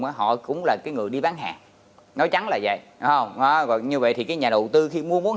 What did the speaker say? mà họ cũng là cái người đi bán hàng nói chắn là vậy không như vậy thì cái nhà đầu tư khi mua bốn